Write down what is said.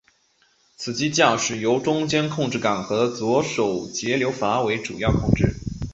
此机驾驶由中间控制杆和左手节流阀为主要控制。